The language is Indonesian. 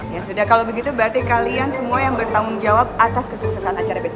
ya sudah kalau begitu berarti kalian semua yang bertanggung jawab atas kesuksesan acara besok